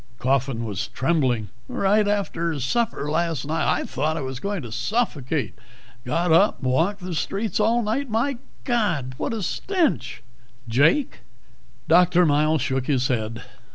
Coffin was trembling. "Right after supper last night. I thought I was going to suffocate. Got up and walked the streets all night. My God, what a stench!" "Jake?" Dr. Miles shook his head.